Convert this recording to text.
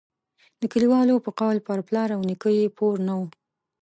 د کلیوالو په قول پر پلار او نیکه یې پور نه وو.